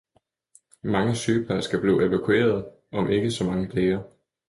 Mange sygeplejersker blev evakueret, om ikke så mange læger.